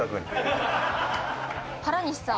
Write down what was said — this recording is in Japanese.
原西さん。